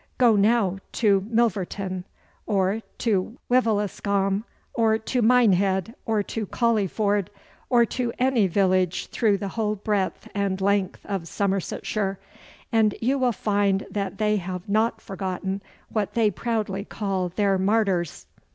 Go now to Milverton, or to Wiveliscombe, or to Minehead, or to Colyford, or to any village through the whole breadth and length of Somersetshire, and you will find that they have not forgotten what they proudly call their martyrs.